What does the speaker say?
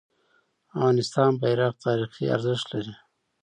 د افغانستان بیرغ تاریخي ارزښت لري.